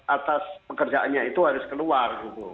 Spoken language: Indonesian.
atas pekerjaannya itu harus keluar gitu